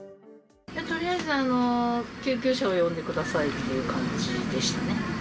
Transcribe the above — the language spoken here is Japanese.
とりあえず救急車を呼んでくださいっていう感じでしたね。